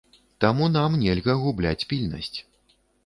Таму нам нельга губляць пільнасць.